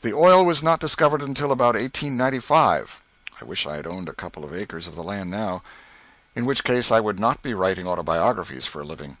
The oil was not discovered until about 1895. I wish I owned a couple of acres of the land now. In which case I would not be writing Autobiographies for a living.